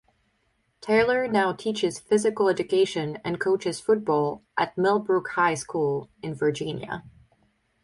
Taylor now teaches physical education and coaches football at Millbrook High School in Virginia.